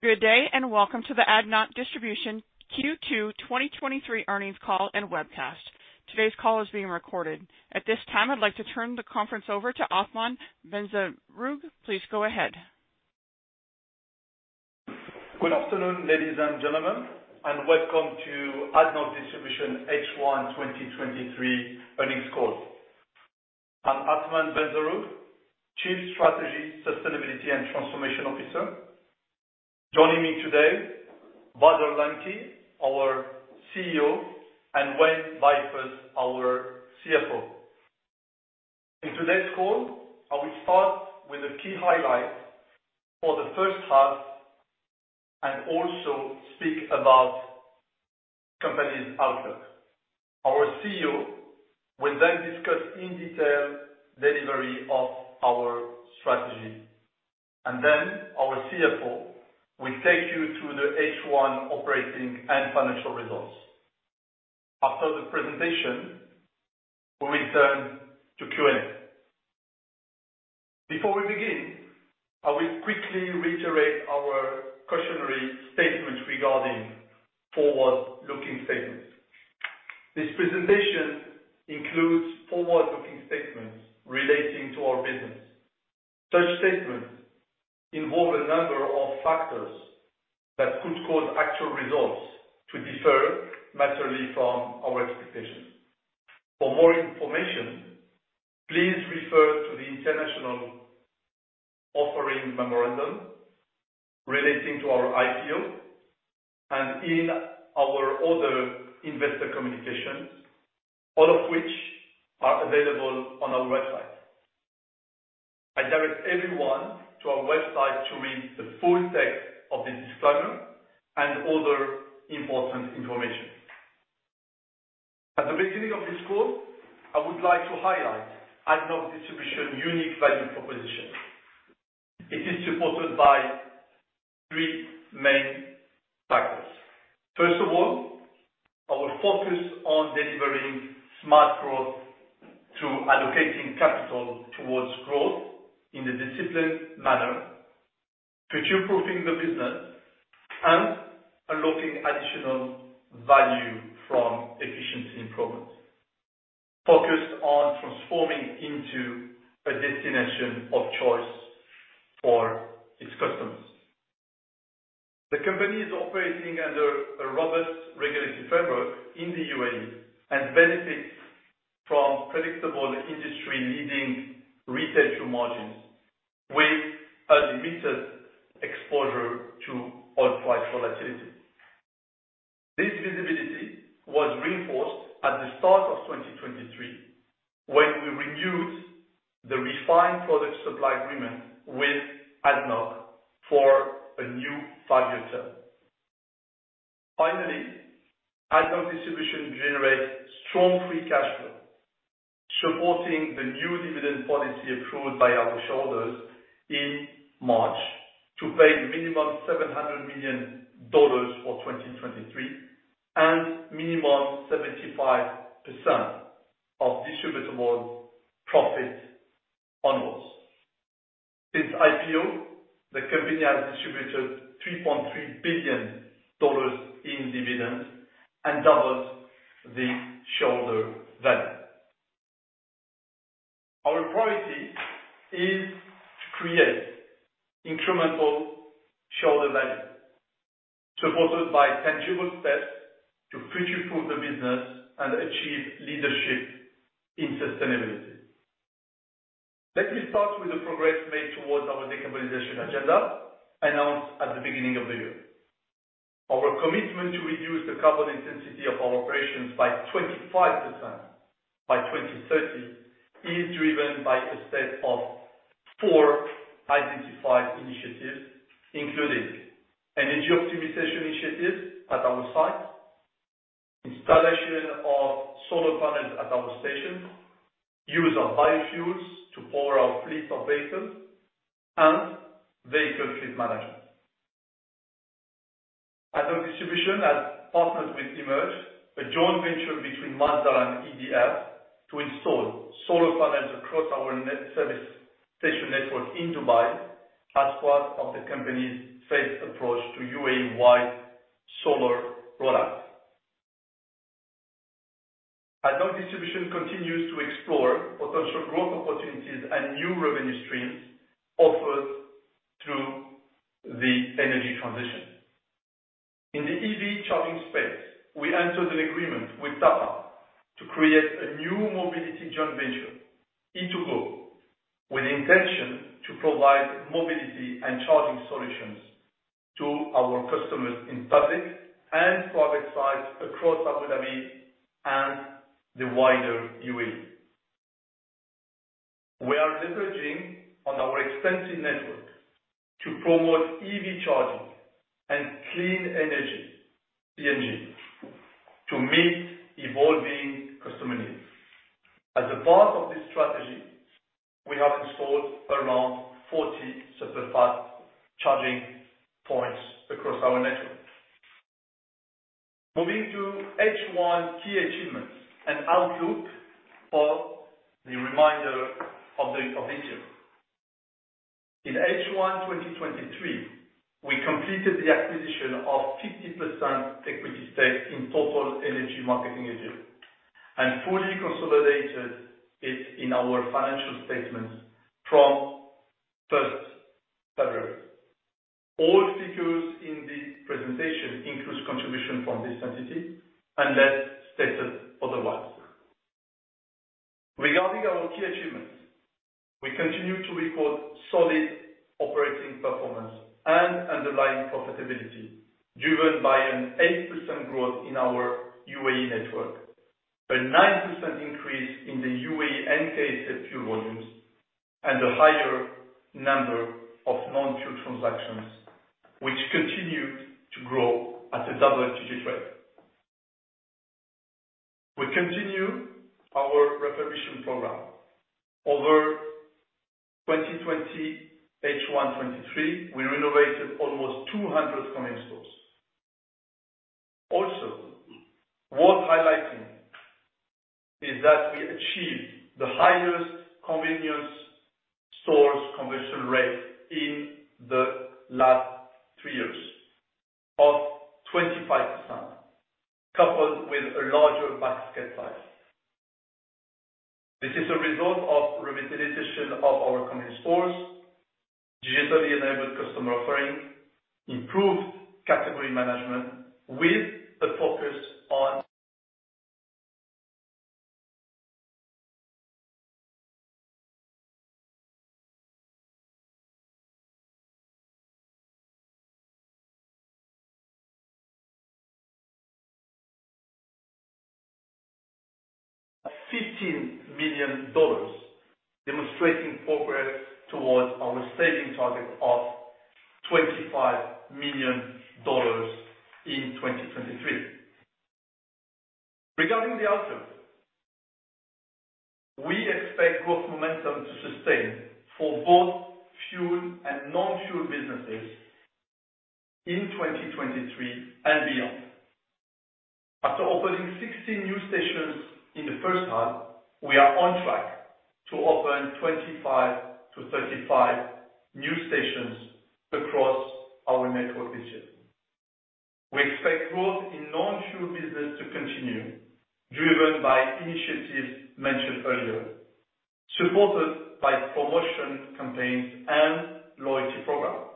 Good day, welcome to the ADNOC Distribution Q2 2023 earnings call and webcast. Today's call is being recorded. At this time, I'd like to turn the conference over to Athmane Benzerroug. Please go ahead. Good afternoon, ladies and gentlemen, welcome to ADNOC Distribution H1 2023 earnings call. I'm Athmane Benzerroug, Chief Strategy, Transformation and Sustainability Officer. Joining me today, Bader Al Lamki, our CEO, and Wayne Beifus, our CFO. In today's call, I will start with a key highlight for the first half and also speak about company's outlook. Our CEO will then discuss in detail delivery of our strategy, then our CFO will take you through the H1 operating and financial results. After the presentation, we will turn to Q&A. Before we begin, I will quickly reiterate our cautionary statement regarding forward-looking statements. This presentation includes forward-looking statements relating to our business. Such statements involve a number of factors that could cause actual results to differ materially from our expectations. For more information, please refer to the international offering memorandum relating to our IPO and in our other investor communications, all of which are available on our website. I direct everyone to our website to read the full text of this disclaimer and other important information. At the beginning of this call, I would like to highlight ADNOC Distribution unique value proposition. It is supported by three main factors. First of all, our focus on delivering smart growth through allocating capital towards growth in a disciplined manner, future-proofing the business, and unlocking additional value from efficiency improvements. Focused on transforming into a destination of choice for its customers. The company is operating under a robust regulatory framework in the UAE and benefits from predictable industry-leading retail margins, with a limited exposure to oil price volatility. This visibility was reinforced at the start of 2023, when we renewed the refined product supply agreement with ADNOC for a new five-year term. ADNOC Distribution generates strong free cash flow, supporting the new dividend policy approved by our shareholders in March to pay minimum $700 million for 2023 and minimum 75% of distributable profit onwards. Since IPO, the company has distributed $3.3 billion in dividends and doubles the shareholder value. Our priority is to create incremental shareholder value, supported by tangible steps to future-proof the business and achieve leadership in sustainability. Let me start with the progress made towards our decarbonization agenda announced at the beginning of the year. Our commitment to reduce the carbon intensity of our operations by 25% by 2030 is driven by a set of four identified initiatives, including energy optimization initiatives at our site, installation of solar panels at our station, use of biofuels to power our fleet of vehicles, and vehicle fleet management. ADNOC Distribution has partnered with Emerge, a joint venture between Masdar and EDF, to install solar panels across our net service station network in Dubai as part of the company's phased approach to UAE-wide solar rollout. ADNOC Distribution continues to explore potential growth opportunities and new revenue streams offered through the energy transition. In the EV charging space, we entered an agreement with TAQA to create a new mobility joint venture, E2GO, with the intention to provide mobility and charging solutions to our customers in public and private sites across Abu Dhabi and the wider UAE. We are leveraging on our extensive network to promote EV charging and clean energy, CNG, to meet evolving customer needs. As a part of this strategy, we have installed around 40 super-fast charging points across our network. Moving to H1 key achievements and outlook for the remainder of this year. In H1, 2023, we completed the acquisition of 50% equity stake in TotalEnergies Marketing Egypt, fully consolidated it in our financial statements from February 1. All figures in this presentation include contribution from this entity, unless stated otherwise. Regarding our key achievements, we continue to record solid operating performance and underlying profitability, driven by an 8% growth in our UAE network, a 9% increase in the UAE and KSA fuel volumes, and a higher number of non-fuel transactions, which continued to grow at a double-digit rate. We continue our refurbishment program. Over 2020 H1 2023, we renovated almost 200 convenience stores. Also, worth highlighting is that we achieved the highest convenience stores conversion rate in the last 3 years of 25%, coupled with a larger basket size. This is a result of revitalization of our convenience stores, digitally enabled customer offering, improved category management with a focus on $15 million, demonstrating progress towards our saving target of $25 million in 2023. Regarding the outlook, we expect growth momentum to sustain for both fuel and non-fuel businesses in 2023 and beyond. After opening 16 new stations in the first half, we are on track to open 25-35 new stations across our network in Egypt. We expect growth in non-fuel business to continue, driven by initiatives mentioned earlier, supported by promotion campaigns and loyalty programs.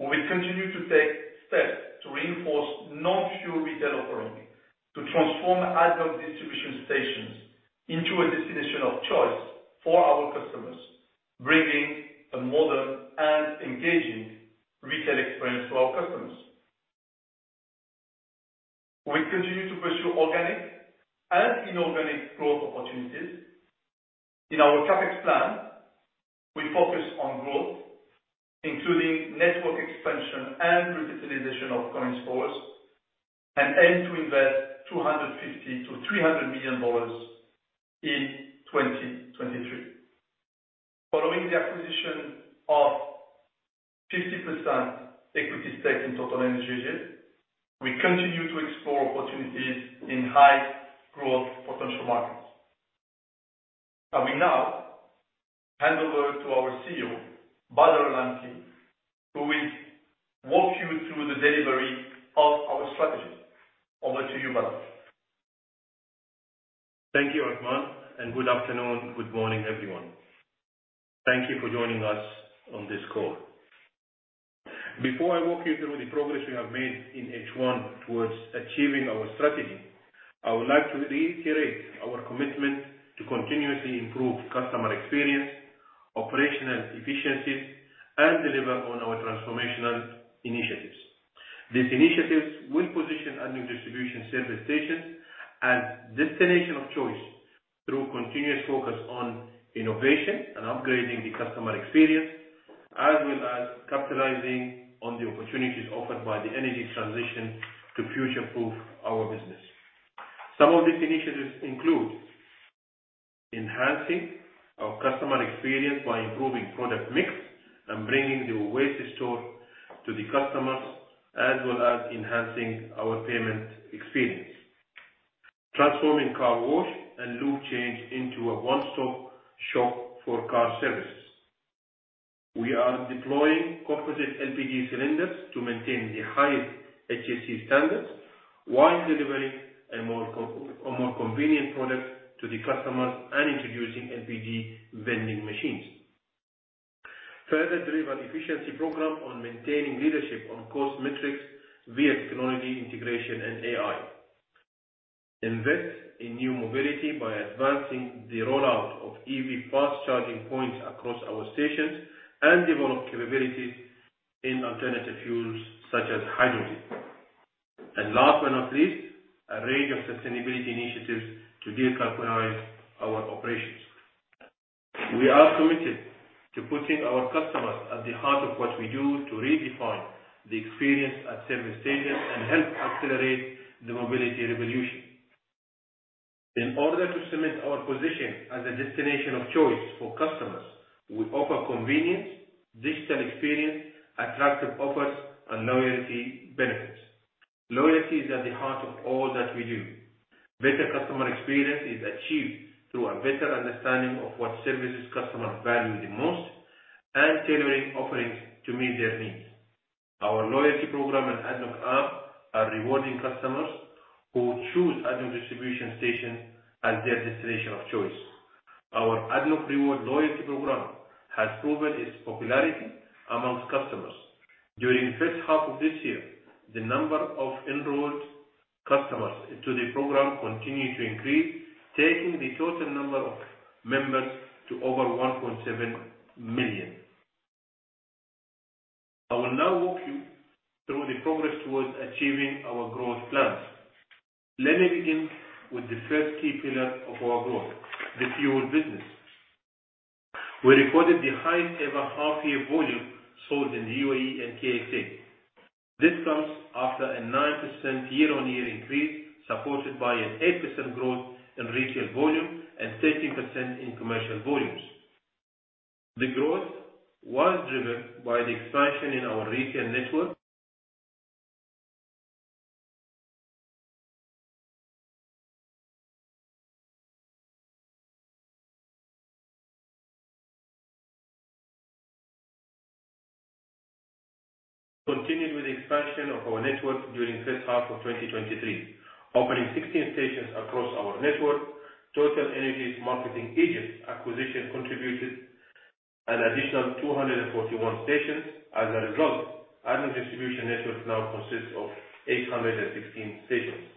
We will continue to take steps to reinforce non-fuel retail offering, to transform ADNOC Distribution stations into a destination of choice for our customers, bringing a modern and engaging retail experience to our customers. We continue to pursue organic and inorganic growth opportunities. In our CapEx plan, we focus on growth, including network expansion and revitalization of convenience stores, and aim to invest $250 million-$300 million in 2023. Following the acquisition of 50% equity stake in TotalEnergies Egypt, we continue to explore opportunities in high growth potential markets. I will now hand over to our CEO, Bader Al Lamki, who will walk you through the delivery of our strategy. Over to you, Bader. Thank you, Athmane, and good afternoon, good morning, everyone. Thank you for joining us on this call. Before I walk you through the progress we have made in H1 towards achieving our strategy, I would like to reiterate our commitment to continuously improve customer experience, operational efficiencies, and deliver on our transformational initiatives. These initiatives will position our new distribution service stations as destination of choice through continuous focus on innovation and upgrading the customer experience, as well as capitalizing on the opportunities offered by the energy transition to future-proof our business. Some of these initiatives include enhancing our customer experience by improving product mix and bringing the Oasis store to the customers, as well as enhancing our payment experience. Transforming car wash and lube change into a one-stop shop for car service. We are deploying composite LPG cylinders to maintain the highest HSE standards, while delivering a more convenient product to the customers and introducing LPG vending machines. Further drive an efficiency program on maintaining leadership on cost metrics via technology, integration, and AI. Invest in new mobility by advancing the rollout of EV fast charging points across our stations, and develop capabilities in alternative fuels such as hydrogen. Last but not least, a range of sustainability initiatives to decarbonize our operations. We are committed to putting our customers at the heart of what we do to redefine the experience at service stations and help accelerate the mobility revolution. In order to cement our position as a destination of choice for customers, we offer convenience, digital experience, attractive offers, and loyalty benefits. Loyalty is at the heart of all that we do. Better customer experience is achieved through a better understanding of what services customers value the most, and tailoring offerings to meet their needs. Our loyalty program and ADNOC app are rewarding customers who choose ADNOC Distribution station as their destination of choice. Our ADNOC Rewards loyalty program has proven its popularity amongst customers. During the first half of this year, the number of enrolled customers into the program continued to increase, taking the total number of members to over 1.7 million. I will now walk you through the progress towards achieving our growth plans. Let me begin with the first key pillar of our growth, the fuel business. We recorded the highest ever half-year volume sold in the UAE and KSA. This comes after a 9% year-on-year increase, supported by an 8% growth in retail volume and 30% in commercial volumes. The growth was driven by the expansion in our retail network. Continued with the expansion of our network during the first half of 2023, opening 16 stations across our network. TotalEnergies' marketing agent acquisition contributed an additional 241 stations. As a result, ADNOC Distribution network now consists of 816 stations.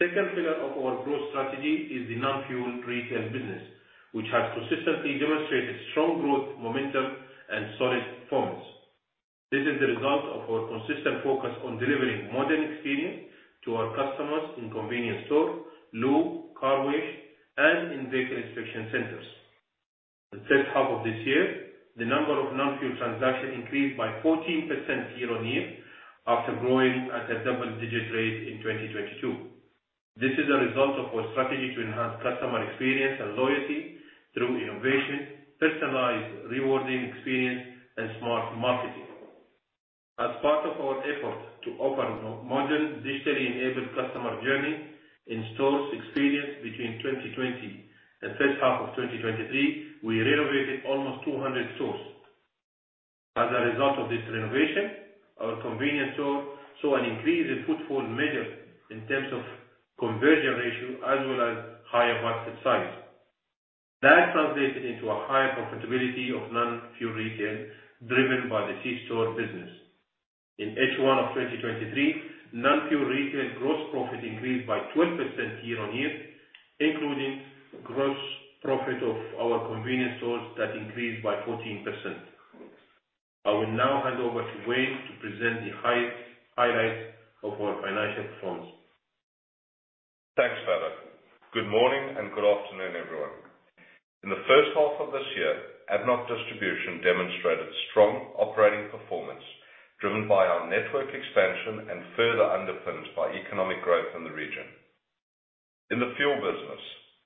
Second pillar of our growth strategy is the non-fuel retail business, which has consistently demonstrated strong growth, momentum, and solid performance. This is the result of our consistent focus on delivering modern experience to our customers in convenience store, lube car wash, and in vehicle inspection centers. The first half of this year, the number of non-fuel transactions increased by 14% year-on-year, after growing at a double-digit rate in 2022. This is a result of our strategy to enhance customer experience and loyalty through innovation, personalized rewarding experience, and smart marketing. As part of our effort to offer modern, digitally enabled customer journey in stores experience between 2020 and first half of 2023, we renovated almost 200 stores. As a result of this renovation, our convenience store saw an increase in footfall measures in terms of conversion ratio, as well as higher basket size. That translated into a higher profitability of non-fuel retail, driven by the C-store business. In H1 of 2023, non-fuel retail gross profit increased by 12% year-on-year, including gross profit of our convenience stores that increased by 14%. I will now hand over to Wayne to present the highlights of our financial performance. Thanks, Bader. Good morning, and good afternoon, everyone. In the first half of this year, ADNOC Distribution demonstrated strong operating performance, driven by our network expansion and further underpinned by economic growth in the region. In the fuel business,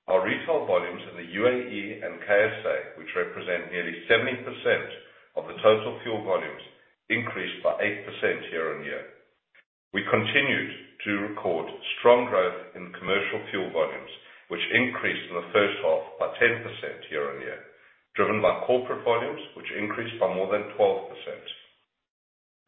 our retail volumes in the UAE and KSA, which represent nearly 70% of the total fuel volumes, increased by 8% year-on-year. We continued to record strong growth in commercial fuel volumes, which increased in the first half by 10% year-on-year, driven by corporate volumes, which increased by more than 12%.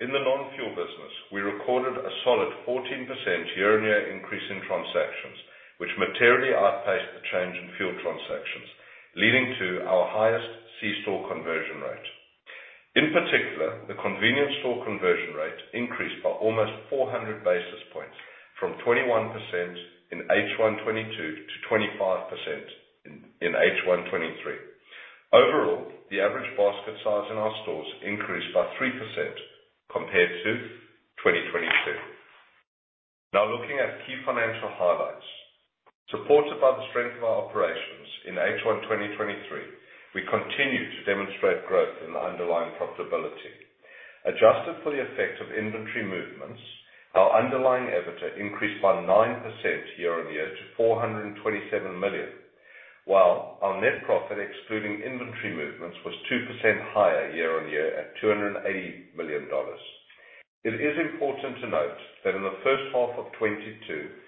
In the non-fuel business, we recorded a solid 14% year-on-year increase in transactions, which materially outpaced the change in fuel transactions, leading to our highest C-store conversion rate. In particular, the convenience store conversion rate increased by almost 400 basis points, from 21% in H1 2022 to 25% in H1 2023. Overall, the average basket size in our stores increased by 3% compared to 2022. Looking at key financial highlights. Supported by the strength of our operations in H1 2023, we continue to demonstrate growth in the underlying profitability. Adjusted for the effect of inventory movements, our underlying EBITDA increased by 9% year-on-year to $427 million, while our net profit, excluding inventory movements, was 2% higher year-on-year at $280 million. It is important to note that in the first half of 2022,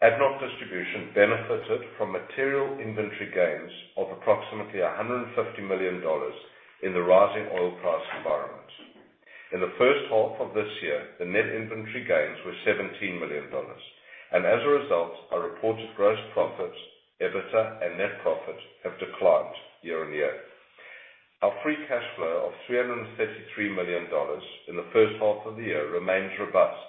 ADNOC Distribution benefited from material inventory gains of approximately $150 million in the rising oil price environment. In the first half of this year, the net inventory gains were $17 million, and as a result, our reported gross profit, EBITDA, and net profit have declined year-on-year. Our free cash flow of $333 million in the first half of the year remains robust,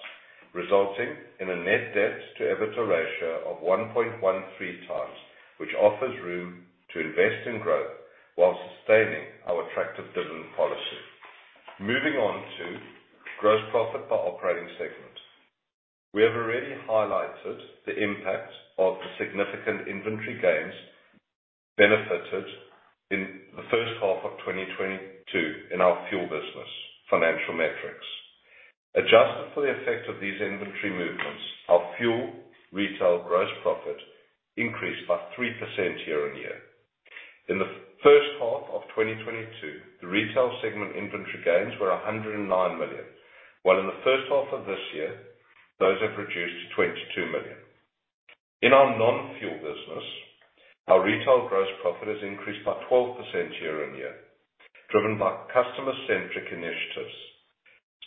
resulting in a net debt to EBITDA ratio of 1.13 times, which offers room to invest in growth while sustaining our attractive dividend policy. Moving on to gross profit by operating segment. We have already highlighted the impact of the significant inventory gains benefited in the first half of 2022 in our fuel business financial metrics. Adjusted for the effect of these inventory movements, our fuel retail gross profit increased by 3% year-on-year. In the first half of 2022, the retail segment inventory gains were 109 million, while in the first half of this year, those have reduced to 22 million. In our non-fuel business, our retail gross profit has increased by 12% year-on-year, driven by customer-centric initiatives.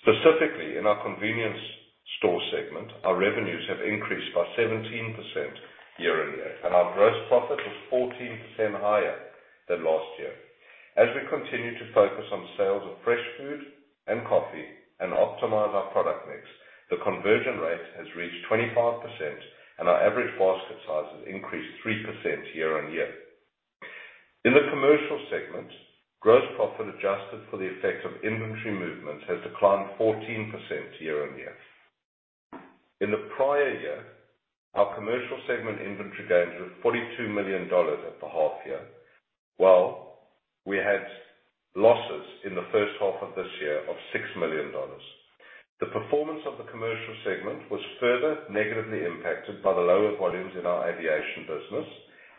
Specifically, in our C-store segment, our revenues have increased by 17% year-on-year, and our gross profit was 14% higher than last year. As we continue to focus on sales of fresh food and coffee and optimize our product mix, the conversion rate has reached 25%, and our average basket size has increased 3% year-on-year. In the commercial segment, gross profit, adjusted for the effect of inventory movements, has declined 14% year-on-year. In the prior year, our commercial segment inventory gains were $42 million at the half year, while we had losses in the first half of this year of $6 million. The performance of the commercial segment was further negatively impacted by the lower volumes in our aviation business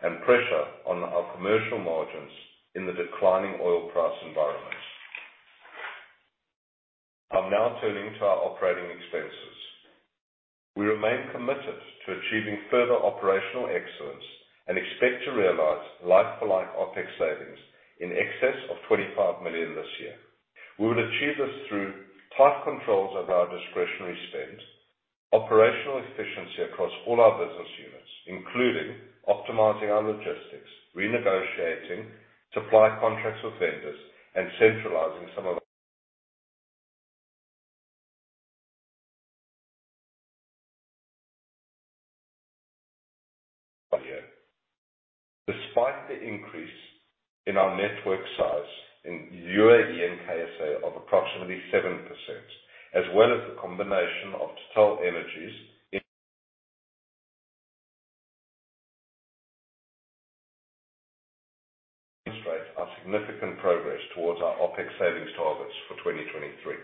and pressure on our commercial margins in the declining oil price environment. I'm now turning to our operating expenses. We remain committed to achieving further operational excellence and expect to realize like-for-like OpEx savings in excess of $25 million this year. We will achieve this through tight controls of our discretionary spend, operational efficiency across all our business units, including optimizing our logistics, renegotiating supply contracts with vendors, and centralizing some of our... Despite the increase in our network size in UAE and KSA of approximately 7%, as well as the combination of TotalEnergies illustrates our significant progress towards our OpEx savings targets for 2023.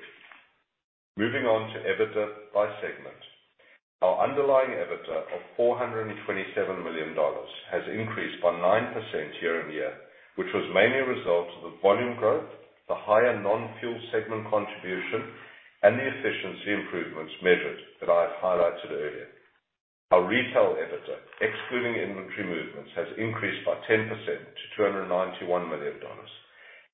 Moving on to EBITDA by segment. Our underlying EBITDA of $427 million has increased by 9% year-on-year, which was mainly a result of the volume growth, the higher non-fuel segment contribution, and the efficiency improvements measured that I have highlighted earlier. Our retail EBITDA, excluding inventory movements, has increased by 10% to $291 million.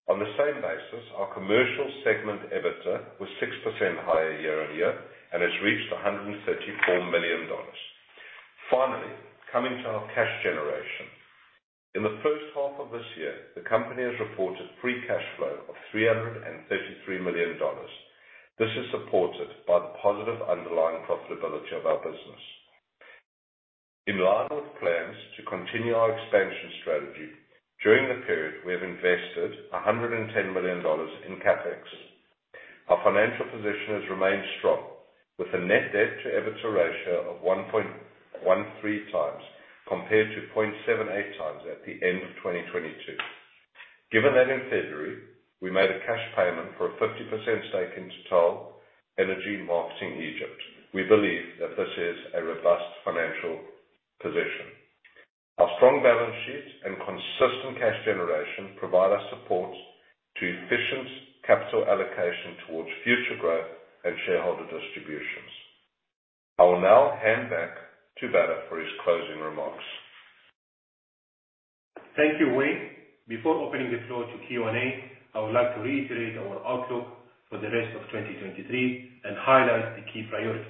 On the same basis, our commercial segment EBITDA was 6% higher year-on-year and has reached $134 million. Coming to our cash generation. In the first half of this year, the company has reported free cash flow of $333 million. This is supported by the positive underlying profitability of our business. In line with plans to continue our expansion strategy, during the period, we have invested $110 million in CapEx. Our financial position has remained strong, with a net debt to EBITDA ratio of 1.13 times compared to 0.78 times at the end of 2022. Given that in February, we made a cash payment for a 50% stake in TotalEnergies Marketing Egypt, we believe that this is a robust financial position. Our strong balance sheet and consistent cash generation provide us support to efficient capital allocation towards future growth and shareholder distributions. I will now hand back to Bader for his closing remarks. Thank you, Wayne. Before opening the floor to Q&A, I would like to reiterate our outlook for the rest of 2023 and highlight the key priorities.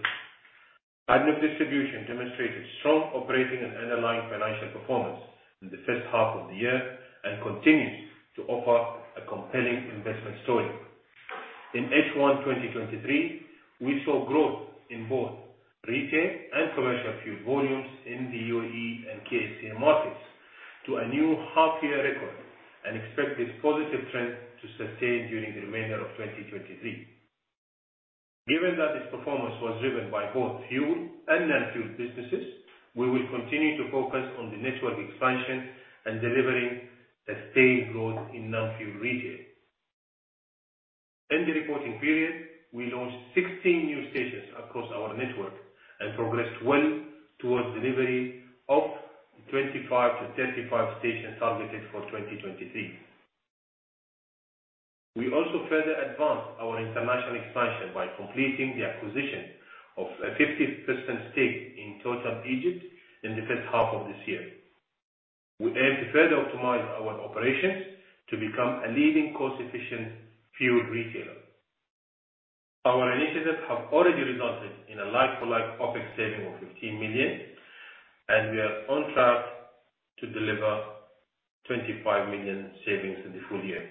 ADNOC Distribution demonstrated strong operating and underlying financial performance in the first half of the year and continues to offer a compelling investment story. In H1 2023, we saw growth in both retail and commercial fuel volumes in the UAE and KSA markets to a new half-year record and expect this positive trend to sustain during the remainder of 2023. Given that this performance was driven by both fuel and non-fuel businesses, we will continue to focus on the network expansion and delivering a steady growth in non-fuel retail. In the reporting period, we launched 16 new stations across our network and progressed well towards delivery of the 25-35 stations targeted for 2023. We also further advanced our international expansion by completing the acquisition of a 50% stake in Total Egypt in the first half of this year. We aim to further optimize our operations to become a leading cost-efficient fuel retailer. Our initiatives have already resulted in a like-for-like OpEx saving of 15 million. We are on track to deliver 25 million savings in the full year.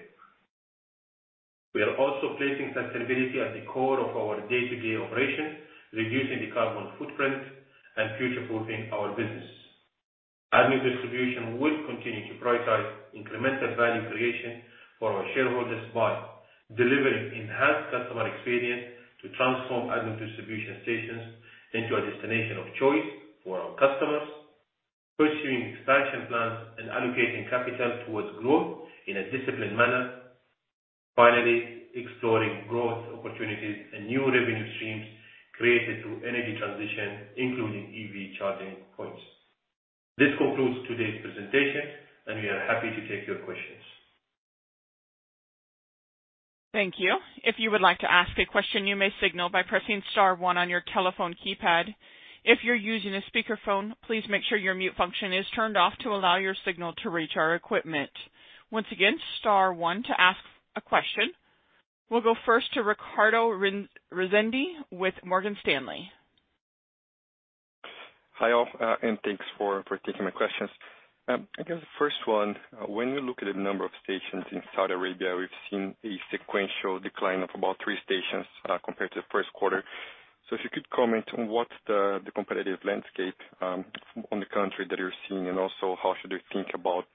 We are also placing sustainability at the core of our day-to-day operations, reducing the carbon footprint and future-proofing our business. ADNOC Distribution will continue to prioritize incremental value creation for our shareholders by-... delivering enhanced customer experience to transform ADNOC Distribution stations into a destination of choice for our customers, pursuing expansion plans and allocating capital towards growth in a disciplined manner. Finally, exploring growth opportunities and new revenue streams created through energy transition, including EV charging points. This concludes today's presentation. We are happy to take your questions. Thank you. If you would like to ask a question, you may signal by pressing star one on your telephone keypad. If you're using a speakerphone, please make sure your mute function is turned off to allow your signal to reach our equipment. Once again, star one to ask a question. We'll go first to Ricardo Rezende with Morgan Stanley. Hi, all, and thanks for, for taking my questions. I guess the 1st one, when you look at the number of stations in Saudi Arabia, we've seen a sequential decline of about 3 stations, compared to the 1st quarter. If you could comment on what's the, the competitive landscape, on the country that you're seeing, and also how should we think about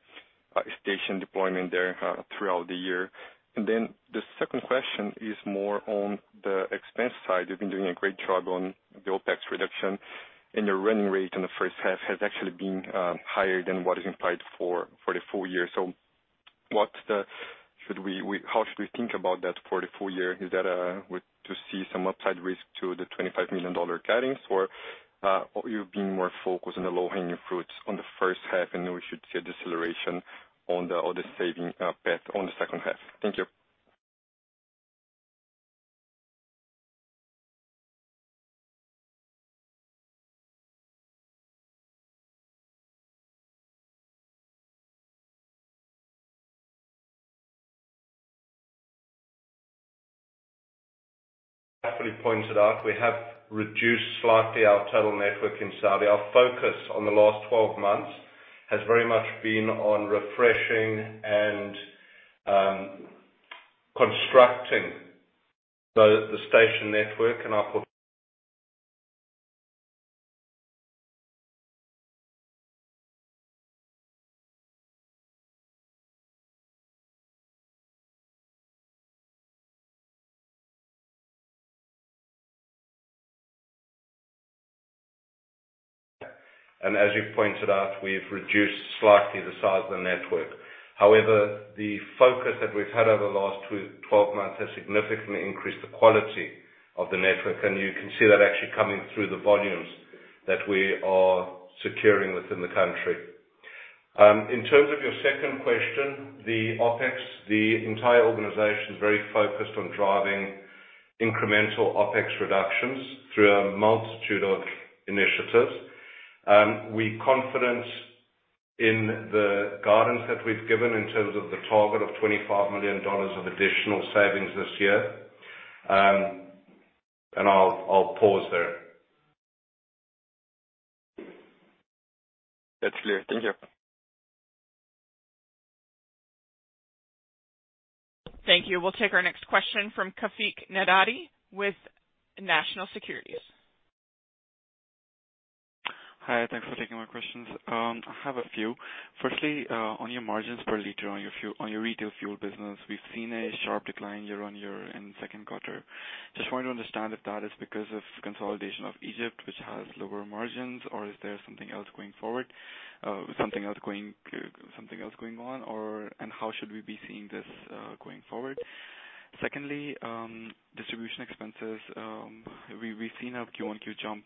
station deployment there, throughout the year? Then the 2nd question is more on the expense side. You've been doing a great job on the OpEx reduction, and your running rate in the 1st half has actually been higher than what is implied for, for the full year. How should we think about that for the full year? Is that to see some upside risk to the $25 million guidance or, you've been more focused on the low-hanging fruits on the first half, and we should see a deceleration on the, on the saving path on the second half? Thank you. Carefully pointed out, we have reduced slightly our total network in Saudi. Our focus on the last 12 months has very much been on refreshing and constructing the station network. As you pointed out, we've reduced slightly the size of the network. However, the focus that we've had over the last 12 months has significantly increased the quality of the network, and you can see that actually coming through the volumes that we are securing within the country. In terms of your second question, the OpEx, the entire organization is very focused on driving incremental OpEx reductions through a multitude of initiatives. We confidence in the guidance that we've given in terms of the target of $25 million of additional savings this year. I'll, I'll pause there. That's clear. Thank you. Thank you. We'll take our next question from Rafiq Nedjadi with National Securities. Hi, thanks for taking my questions. I have a few. Firstly, on your margins per liter on your fuel, on your retail fuel business, we've seen a sharp decline year-on-year and second quarter. Just wanted to understand if that is because of consolidation of Egypt, which has lower margins, or is there something else going on, and how should we be seeing this going forward? Secondly, distribution expenses, we've seen a Q1Q jump,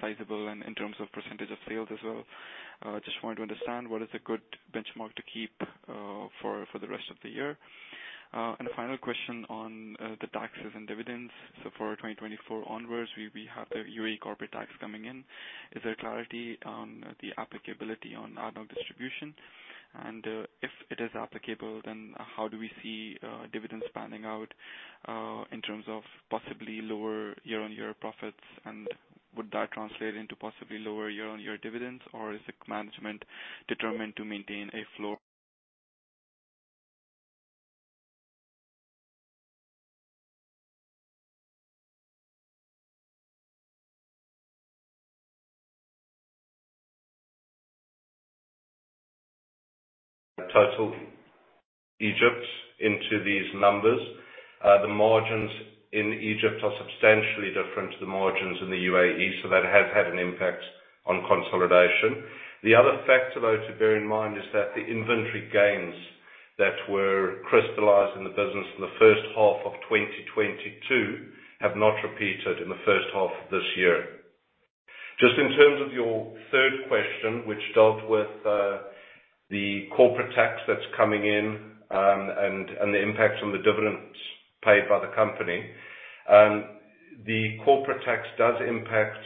sizable and in terms of percentage of sales as well. Just wanted to understand what is a good benchmark to keep for the rest of the year. A final question on the taxes and dividends. For 2024 onwards, we have the UAE corporate tax coming in. Is there clarity on the applicability on ADNOC Distribution? If it is applicable, then how do we see dividends panning out in terms of possibly lower year-on-year profits? Would that translate into possibly lower year-on-year dividends, or is the management determined to maintain a flow? Total Egypt into these numbers. The margins in Egypt are substantially different to the margins in the UAE, so that has had an impact on consolidation. The other factor, though, to bear in mind, is that the inventory gains that were crystallized in the business in the 1st half of 2022 have not repeated in the 1st half of this year. Just in terms of your 3rd question, which dealt with the Corporate Tax that's coming in, and the impact on the dividends paid by the company. The Corporate Tax does impact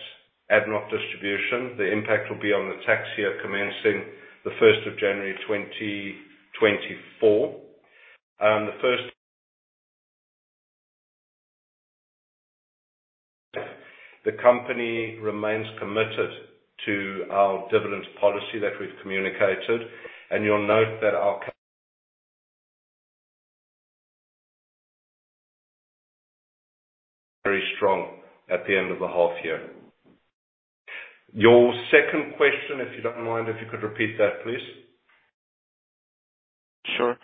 ADNOC Distribution. The impact will be on the tax year commencing the 1st of January 2024. The company remains committed to our dividend policy that we've communicated, and you'll note that our-... strong at the end of the half year. Your second question, if you don't mind, if you could repeat that, please? Sure.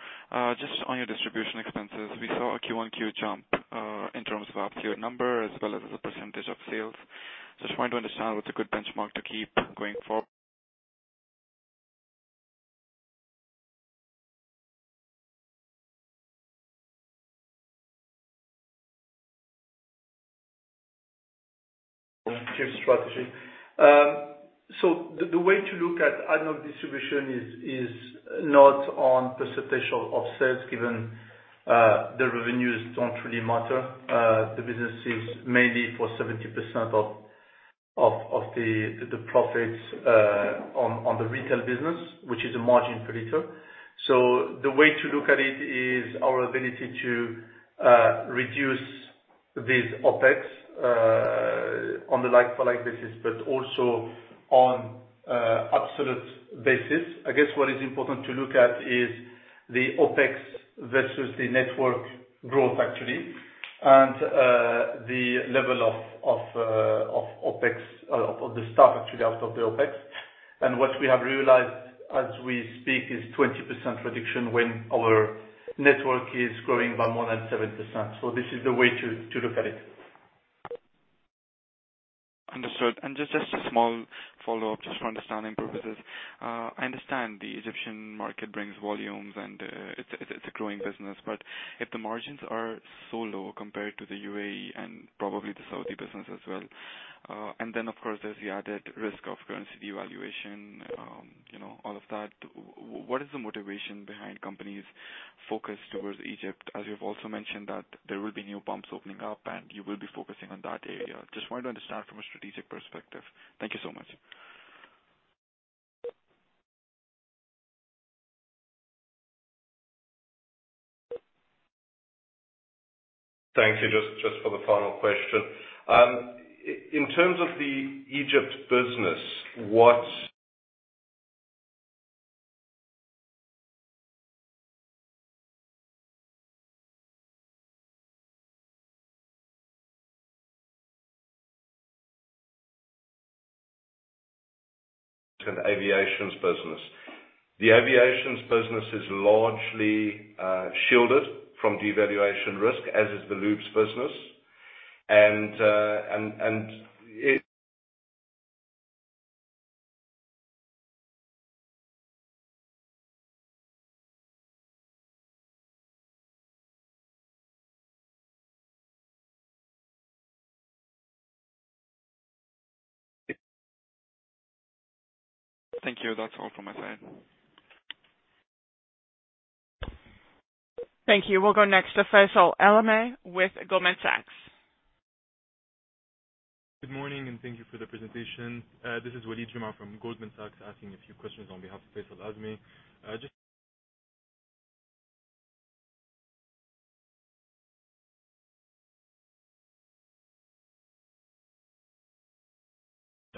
Just on your distribution expenses, we saw a Q1Q jump, in terms of absolute number as well as the % of sales. Just want to understand what's a good benchmark to keep going forward? Strategy. So the way to look at ADNOC Distribution is not on percentage of sales, given the revenues don't really matter. The business is mainly for 70% of the profits on the retail business, which is a margin per liter. The way to look at it is our ability to reduce these OpEx on the like-for-like basis, but also on absolute basis. I guess, what is important to look at is the OpEx versus the network growth actually, and the level of OpEx of the staff actually out of the OpEx. What we have realized as we speak, is 20% reduction when our network is growing by more than 7%. This is the way to look at it. Understood. Just, just a small follow-up, just for understanding purposes. I understand the Egyptian market brings volumes, and it's, it's a growing business, but if the margins are so low compared to the UAE and probably the Saudi business as well, and then, of course, there's the added risk of currency devaluation, you know, all of that. What is the motivation behind company's focus towards Egypt? As you've also mentioned, that there will be new pumps opening up, and you will be focusing on that area. Just want to understand from a strategic perspective. Thank you so much. Thank you. Just, just for the final question. In terms of the Egypt business. Aviations business. The aviations business is largely shielded from devaluation risk, as is the lubes business. And. Thank you. That's all from my side. Thank you. We'll go next to Faisal A-lAzmeh with Goldman Sachs. Good morning, and thank you for the presentation. This is [Wade Juma] from Goldman Sachs, asking a few questions on behalf of Faisal Al-Azmeh.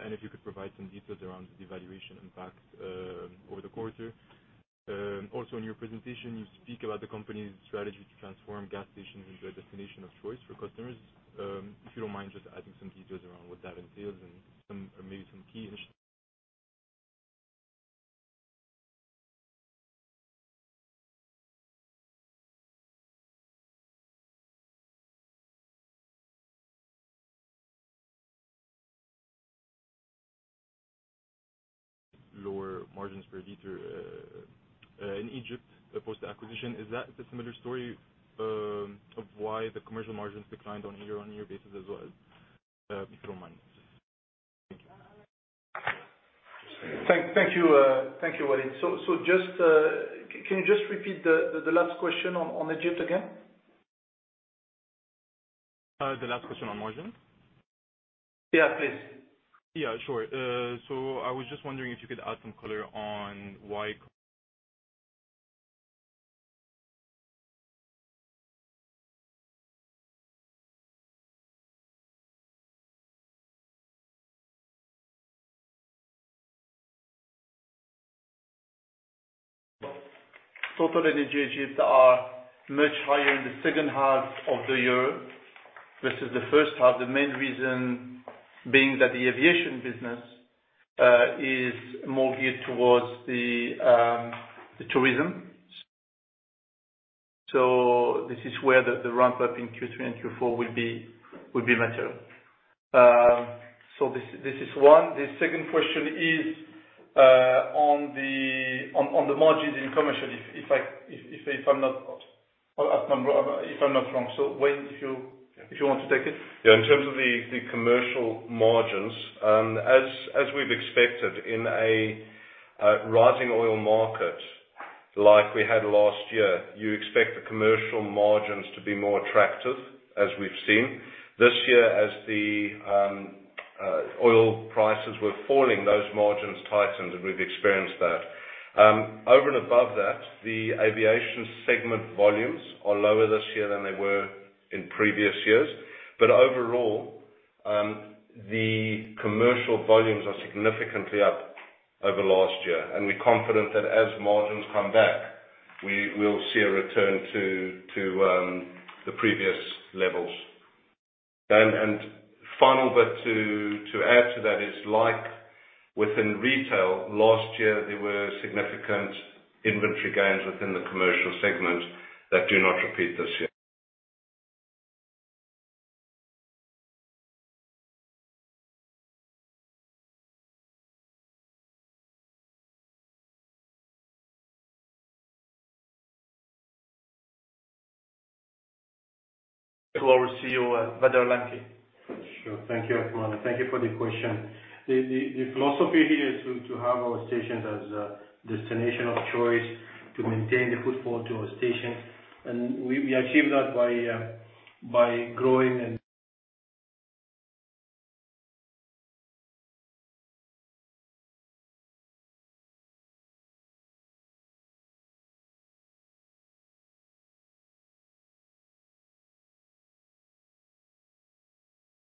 And if you could provide some details around the devaluation impact over the quarter. Also in your presentation, you speak about the company's strategy to transform gas stations into a destination of choice for customers. If you don't mind, just adding some details around what that entails and some, or maybe some key initial... Lower margins per liter in Egypt post-acquisition. Is that a similar story of why the commercial margins declined on a year-on-year basis as well? If you don't mind. Thank you. Thank, thank you, thank you, Wade. So just, c-can you just repeat the, the, the last question on, on Egypt again? The last question on margins? Yeah, please. Yeah, sure. I was just wondering if you could add some color on why- TotalEnergies Egypt are much higher in the second half of the year versus the first half. The main reason being that the aviation business is more geared towards the tourism. This is where the ramp-up in Q3 and Q4 will be, will be material. This is, this is one. The second question is on the margins in commercial, if I, if I'm not, if I'm wrong. Wade, if you want to take it. Yeah, in terms of the, the commercial margins, as, as we've expected in a rising oil market like we had last year, you expect the commercial margins to be more attractive, as we've seen. This year, as the oil prices were falling, those margins tightened, and we've experienced that. Over and above that, the aviation segment volumes are lower this year than they were in previous years. The commercial volumes are significantly up over last year, and we're confident that as margins come back, we will see a return to, to the previous levels. Final bit to, to add to that is like within retail, last year there were significant inventory gains within the commercial segment that do not repeat this year. Our CEO, Bader Al Lamki. Sure. Thank you, Armando. Thank you for the question. The philosophy here is to have our stations as a destination of choice, to maintain the footfall to our station. We, we achieve that by growing.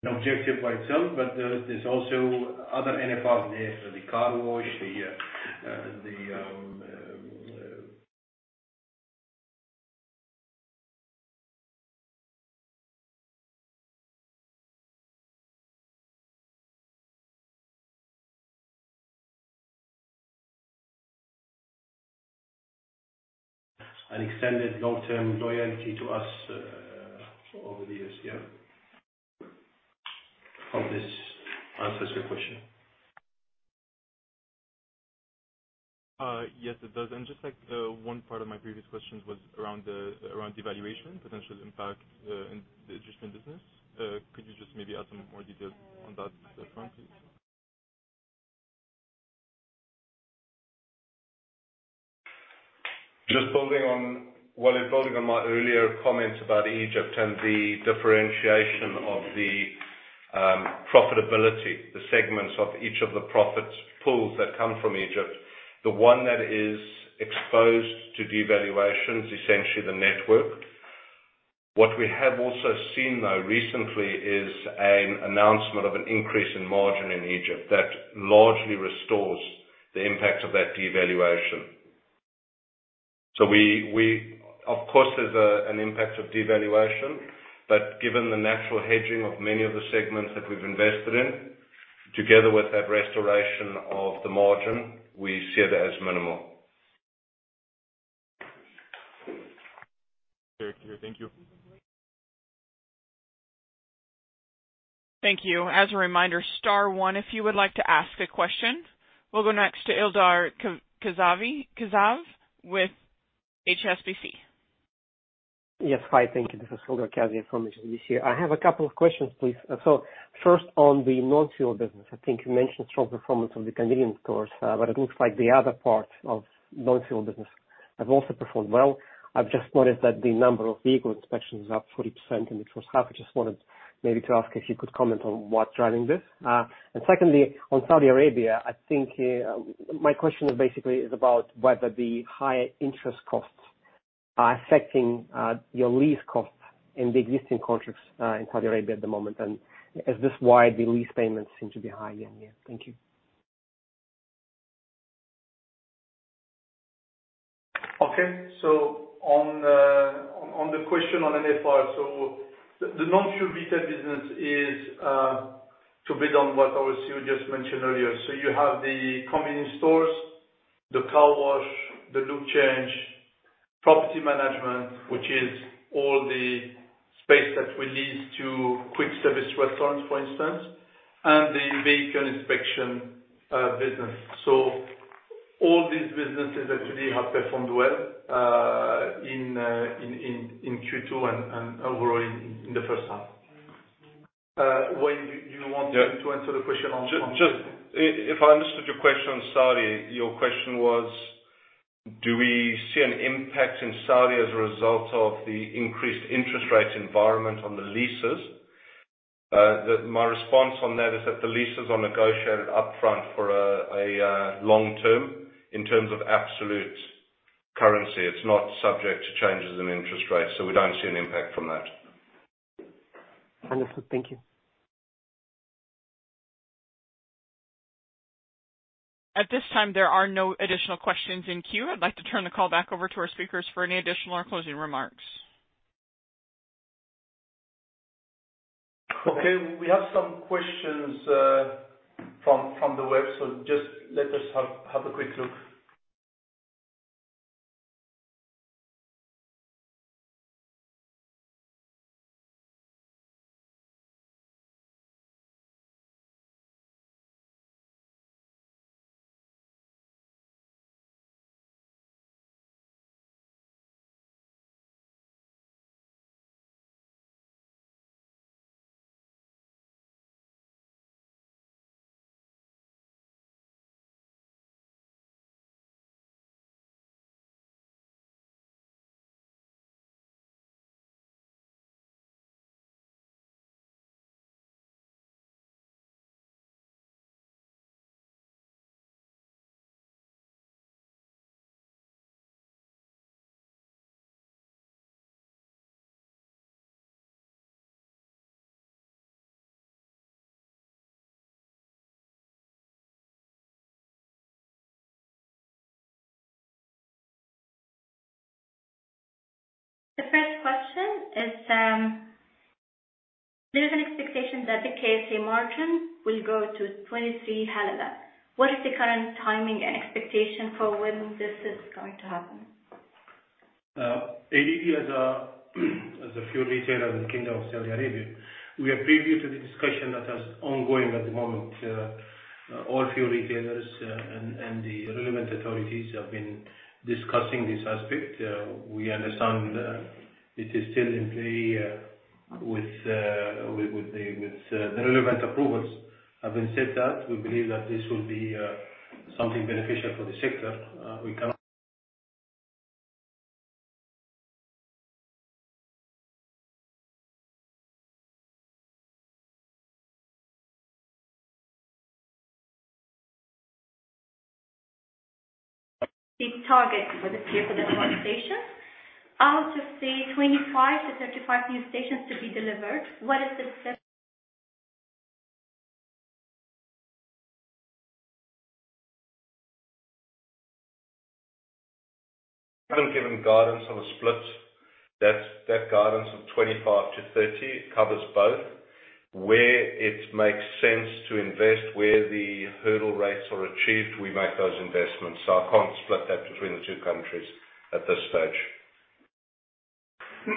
An objective by itself, but there's also other NFR, the car wash, the extended long-term loyalty to us over the years. Yeah. Hope this answers your question. Yes, it does. Just like, one part of my previous questions was around around devaluation, potential impact, in the Egyptian business. Could you just maybe add some more details on that front, please? Well, building on my earlier comments about Egypt and the differentiation of the profitability, the segments of each of the profits pools that come from Egypt. The one that is exposed to devaluation is essentially the network. What we have also seen, though, recently is an announcement of an increase in margin in Egypt that largely restores the impact of that devaluation. We, of course, there's an impact of devaluation, but given the natural hedging of many of the segments that we've invested in, together with that restoration of the margin, we see it as minimal. Thank you. Thank you. As a reminder, star one, if you would like to ask a question. We'll go next to Ildar Khaziev with HSBC. Yes. Hi, thank you. This is Ildar Khaziev from HSBC. I have a couple of questions, please. First, on the non-fuel business, I think you mentioned strong performance of the convenience stores, but it looks like the other parts of non-fuel business have also performed well. I've just noticed that the number of vehicle inspections is up 40% in the first half. I just wanted maybe to ask if you could comment on what's driving this. Secondly, on Saudi Arabia, I think, my question is basically is about whether the high interest costs are affecting, your lease costs in the existing contracts, in Saudi Arabia at the moment, and is this why the lease payments seem to be higher in here? Thank you. On the question on NFR. The non-fuel retail business is to build on what our CEO just mentioned earlier. You have the convenience stores, the car wash, the lube change, property management, which is all the space that we lease to quick service restaurants, for instance, and the vehicle inspection business. All these businesses actually have performed well in Q2 and overall in the first half. Wael, do you want me to answer the question on- Just, if I understood your question on Saudi, your question was, do we see an impact in Saudi as a result of the increased interest rate environment on the leases? My response on that is that the leases are negotiated upfront for a long term in terms of absolute currency. It's not subject to changes in interest rates, so we don't see an impact from that. Understood. Thank you. At this time, there are no additional questions in queue. I'd like to turn the call back over to our speakers for any additional or closing remarks. Okay. We have some questions from the web, just let us have a quick look. The first question is, there is an expectation that the KSA margin will go to 0.23. What is the current timing and expectation for when this is going to happen? ADI as a, as a fuel retailer in the Kingdom of Saudi Arabia, we are preview to the discussion that is ongoing at the moment. All fuel retailers, and the relevant authorities have been discussing this aspect. We understand it is still in play with, with, with the, with the relevant approvals have been set out. We believe that this will be something beneficial for the sector. We cannot- The target for the year for the fuel stations. Out of the 25 to 35 new stations to be delivered, what is? I haven't given guidance on the split. That's, that guidance of 25-30 covers both. Where it makes sense to invest, where the hurdle rates are achieved, we make those investments. I can't split that between the two countries at this stage. The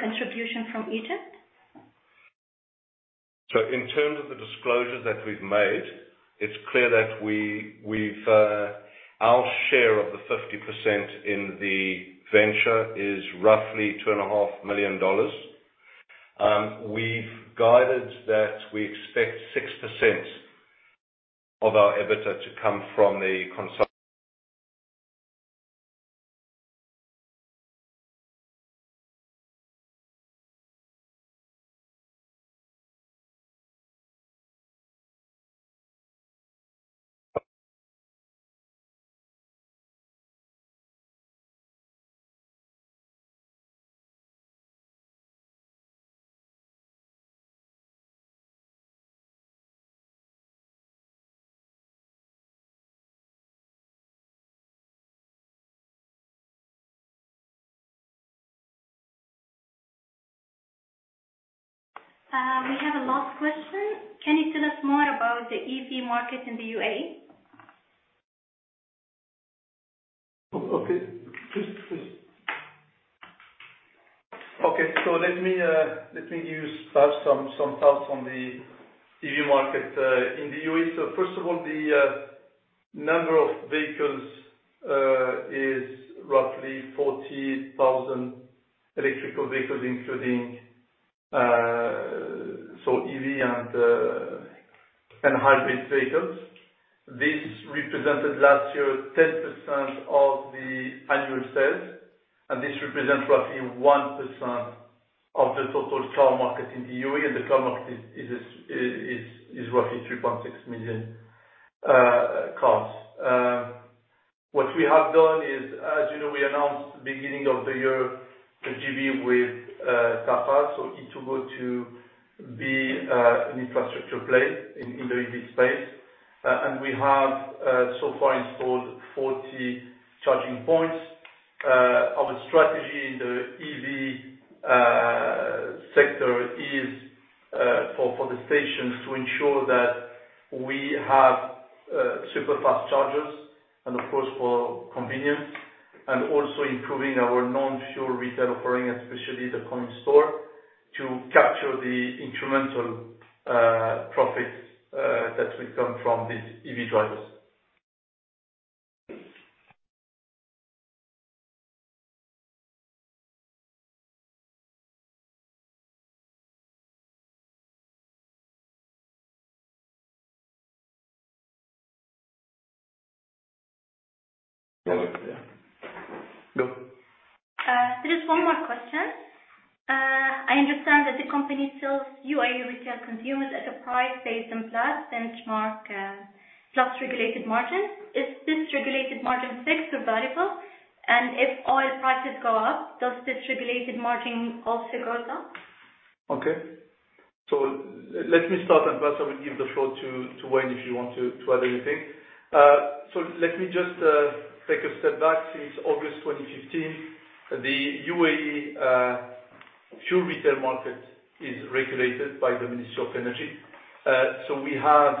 contribution from Egypt? In terms of the disclosures that we've made, it's clear that we, we've, our share of the 50% in the venture is roughly $2.5 million. We've guided that we expect 6% of our EBITDA to come from the cons- We have a last question. Can you tell us more about the EV market in the UAE? Okay. Please, please. Okay. Let me give you perhaps some, some thoughts on the EV market in the UAE. First of all, the number of vehicles is roughly 40,000 electrical vehicles, including EV and hybrid vehicles. This represented last year, 10% of the annual sales, and this represents roughly 1% of the total car market in the UAE, and the car market is roughly 3.6 million cars. What we have done is, as you know, we announced beginning of the year, a JV with TAQA, so it to go to be an infrastructure play in the EV space. And we have so far installed 40 charging points. Our strategy in the EV sector is for, for the stations to ensure that we have super-fast chargers and of course, for convenience, and also improving our non-fuel retail offering, especially the convenience store, to capture the incremental profits that will come from these EV drivers. There is one more question. I understand that the company sells UAE retail consumers at a price based on plus benchmark, plus regulated margins. Is this regulated margin fixed or variable? If oil prices go up, does this regulated margin also go up? Okay. Let me start, and first I will give the floor to, to Wayne, if you want to, to add anything. Let me just take a step back. Since August 2015, the UAE fuel retail market is regulated by the Ministry of Energy. We have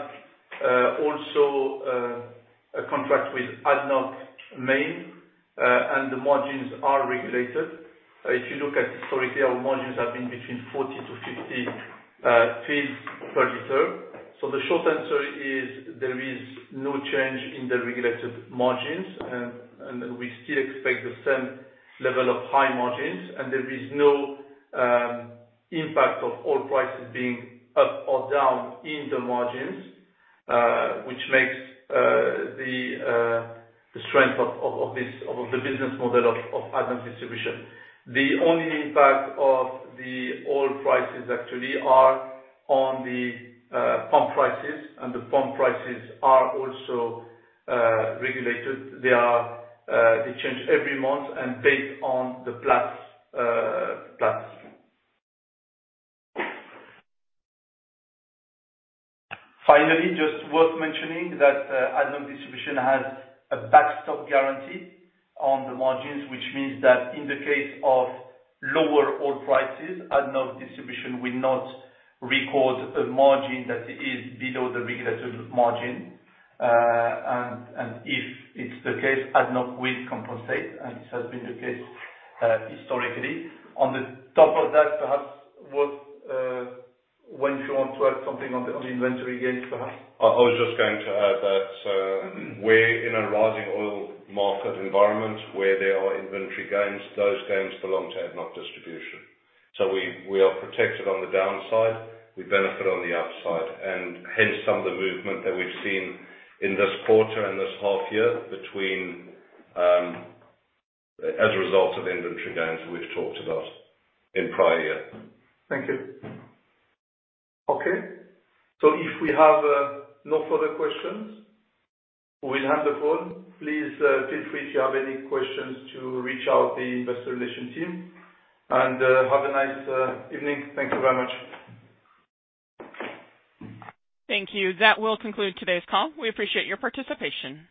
also a contract with ADNOC Main, and the margins are regulated. If you look at historically, our margins have been between 40-50 fils per liter. The short answer is, there is no change in the regulated margins, and we still expect the same level of high margins, and there is no impact of oil prices being up or down in the margins, which makes the strength of this business model of ADNOC Distribution. The only impact of the oil prices actually are on the pump prices, and the pump prices are also regulated. They are, they change every month and based on the plus, plus. Finally, just worth mentioning that ADNOC Distribution has a backstop guarantee on the margins, which means that in the case of lower oil prices, ADNOC Distribution will not record a margin that is below the regulatory margin. If it's the case, ADNOC will compensate, and this has been the case historically. On the top of that, perhaps, what Wayne, if you want to add something on the inventory gains, perhaps. I was just going to add that we're in a rising oil market environment where there are inventory gains. Those gains belong to ADNOC Distribution. We are protected on the downside, we benefit on the upside, and hence some of the movement that we've seen in this quarter and this half year between, as a result of inventory gains we've talked about in prior year. Thank you. Okay. If we have no further questions, we'll end the call. Please feel free if you have any questions, to reach out the investor relation team. Have a nice evening. Thank you very much. Thank you. That will conclude today's call. We appreciate your participation.